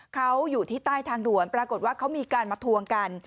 เขาอยู่ที่ใต้ทางด่วนปรากฏว่าเขามีการมาทวงกัน